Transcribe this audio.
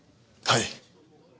はい。